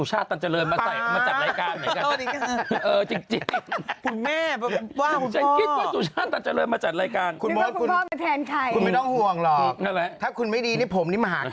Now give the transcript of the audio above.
มหากาศเลยนะครับผม